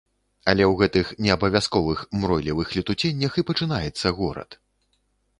Але ў гэтых неабавязковых мройлівых летуценнях і пачынаецца горад.